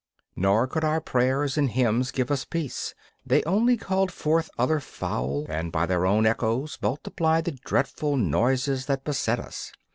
Nor could our prayers and hymns give us peace; they only called forth other fowl and by their own echoes multiplied the dreadful noises that beset us.